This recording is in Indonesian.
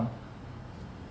penyidik dan penyidik